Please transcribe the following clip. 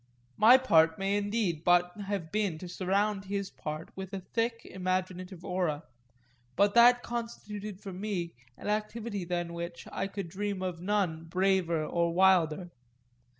My part may indeed but have been to surround his part with a thick imaginative aura; but that constituted for me an activity than which I could dream of none braver or wilder.